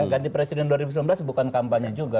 ganti presiden dua ribu sembilan belas bukan kampanye juga